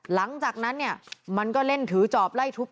หลังจากนั้นเนี่ยมันก็เล่นถือจอบไล่ทุบ